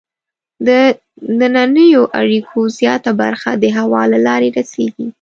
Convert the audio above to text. د دنننیو اړیکو زیاته برخه د هوا له لارې رسیږي.